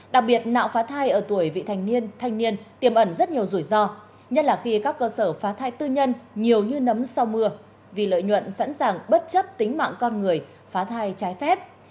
đặc biệt nạo phá thai ở tuổi vị thành niên thanh niên tiềm ẩn rất nhiều rủi ro nhất là khi các cơ sở phá thai tư nhân nhiều như nấm sau mưa vì lợi nhuận sẵn sàng bất chấp tính mạng con người phá thai trái phép